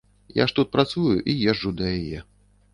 Я ж тут працую і езджу да яе.